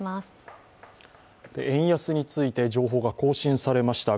円安について情報が更新されました。